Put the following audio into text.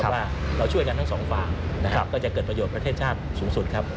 ว่าเราช่วยกันทั้งสองฝ่ายนะครับก็จะเกิดประโยชน์ประเทศชาติสูงสุดครับ